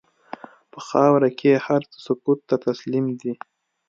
په خاوره کې هر څه سکوت ته تسلیم دي.